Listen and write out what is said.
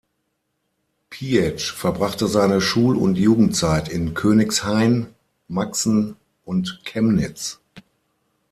Pietzsch verbrachte seine Schul- und Jugendzeit in Königshain, Maxen und Chemnitz.